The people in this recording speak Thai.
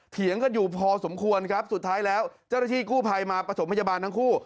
เถียงกันอยู่พอสมควรครับสุดท้ายแล้วเจ้าหน้าที่กู้ภัยมาประถมพยาบาลทั้งคู่